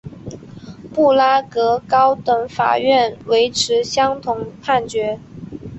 布拉格高等法院维持相同判决。